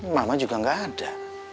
mama juga gak ada